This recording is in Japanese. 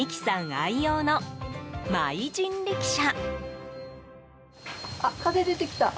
愛用のＭｙ人力車。